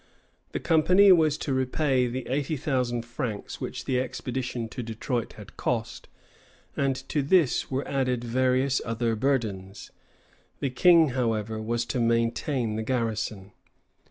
The company was to repay the eighty thousand francs which the expedition to Detroit had cost; and to this were added various other burdens. The King, however, was to maintain the garrison.